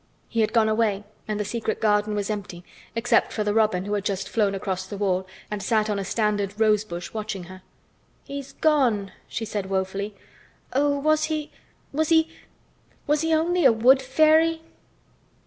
He had gone away and the secret garden was empty—except for the robin who had just flown across the wall and sat on a standard rose bush watching her. "He's gone," she said woefully. "Oh! was he—was he—was he only a wood fairy?"